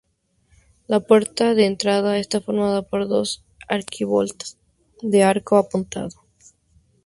La puerta de entrada está formada por dos arquivoltas de arco apuntado.